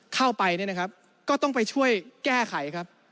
เข้าไปเนี่ยนะครับก็ต้องไปช่วยแก้ไขครับ